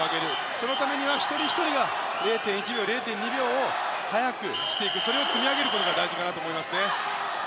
そのためには一人ひとりが０．１秒、０．２秒速くしていくそれを積み上げていくことが大事だと思います。